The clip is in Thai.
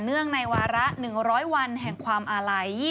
งในวาระ๑๐๐วันแห่งความอาลัย